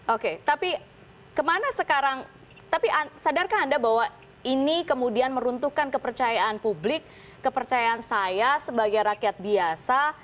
oke tapi kemana sekarang tapi sadarkah anda bahwa ini kemudian meruntuhkan kepercayaan publik kepercayaan saya sebagai rakyat biasa